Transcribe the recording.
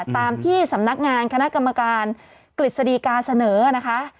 ตามที่สำนักงานคณะกรรมการกฤษฎีกาเสนอนะคะ